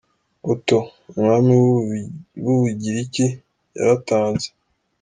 Otto, umwami w’u Bugiriki yaratanze.